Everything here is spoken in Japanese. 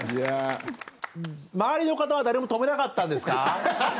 周りの方は誰も止めなかったんですか？